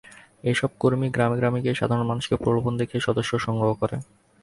এসব কর্মী গ্রামে গ্রামে গিয়ে সাধারণ মানুষকে প্রলোভন দেখিয়ে সদস্য সংগ্রহ করেন।